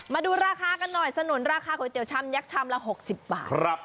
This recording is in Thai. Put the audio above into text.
มาดูราคากันหน่อยสนุนราคาโกยเตี๋ยวช้ำยักษ์ช้ำละ๖๐บาทครับ